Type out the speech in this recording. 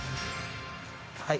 はい。